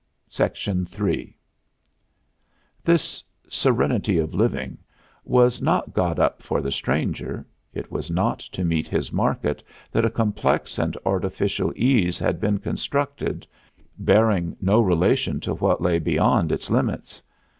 III This serenity of living was not got up for the stranger; it was not to meet his market that a complex and artificial ease had been constructed, bearing no relation to what lay beyond its limits.